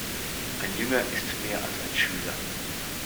Ein Jünger ist mehr als ein Schüler.